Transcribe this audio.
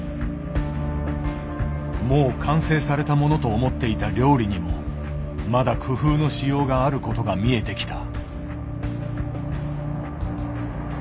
もう完成されたものと思っていた料理にもまだ工夫のしようがあることが見えてきた。